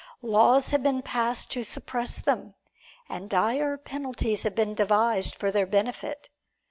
Laws have been passed to suppress them, and dire penalties have been devised for their benefit.